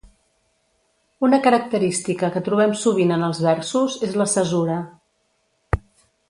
Una característica que trobem sovint en els versos és la cesura.